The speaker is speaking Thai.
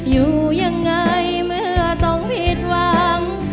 อยู่ยังไงเมื่อต้องผิดหวัง